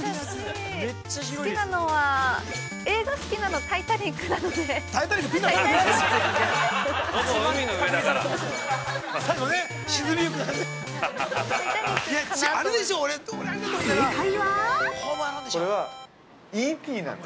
◆好きなのは、映画好きなの、「タイタニック」なので。